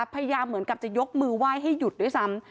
พยายามเหมือนกับจะยกมือไหว้ให้หยุดด้วยซ้ำ